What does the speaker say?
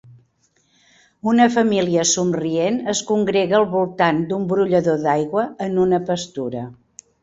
Una família somrient es congrega al voltant d'un brollador d'aigua en una pastura.